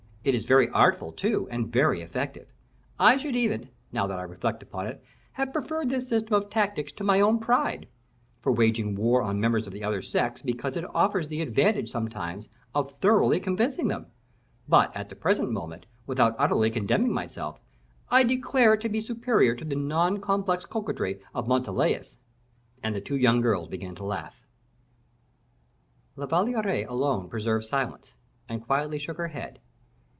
It is very artful too, and very effective. I should even, now that I reflect upon it, have preferred this system of tactics to my own pride, for waging war on members of the other sex, because it offers the advantage sometimes of thoroughly convincing them; but, at the present moment, without utterly condemning myself, I declare it to be superior to the non complex coquetry of Montalais." And the two young girls began to laugh. La Valliere alone preserved silence, and quietly shook her head.